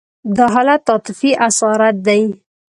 دا حالت عاطفي اسارت دی.